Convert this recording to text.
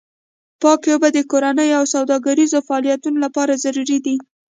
پاکې اوبه د کورنیو او سوداګریزو فعالیتونو لپاره ضروري دي.